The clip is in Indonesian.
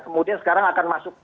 kemudian sekarang akan masuk